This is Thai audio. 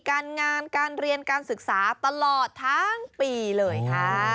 การงานการเรียนการศึกษาตลอดทั้งปีเลยค่ะ